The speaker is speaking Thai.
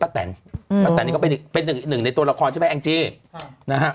ป้าแต่นป้าแต่นก็เป็นหนึ่งในตัวละครใช่ไหมแอ้งจี้ค่ะนะฮะ